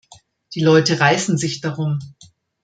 Die Leute reißen sich darum.